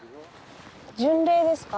巡礼ですか？